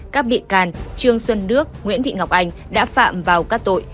các bị can trương xuân đức nguyễn thị ngọc anh đã phạm vào các tội